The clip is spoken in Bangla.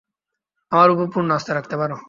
আমার উপর পূর্ণ আস্থা রাখতে পার।